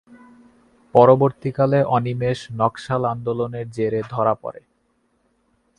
পরবর্তীকালে অনিমেষ নকশাল আন্দোলনের জেরে ধরা পড়ে।